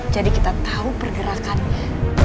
jadi kita tau pergerakannya